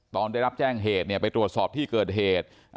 ตอนได้รับแจ้งเหตุไปตรวจสอบที่เกิดเหตุ